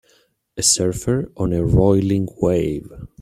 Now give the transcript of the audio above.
A surfer on a roiling wave.